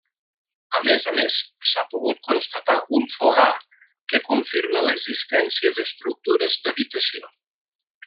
A més a més s'ha pogut constatar un fogar, que confirma l'existència d'estructures d'habitació.